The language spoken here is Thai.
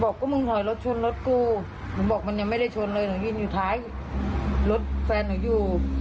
พวกมึงถอยรถชนรถกูหนูบอกมันยังไม่ได้ชนเลยหนูยืนอยู่ท้ายรถแฟนหนูอยู่